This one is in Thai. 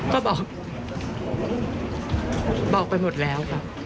ก็บอกบอกไปหมดแล้วค่ะ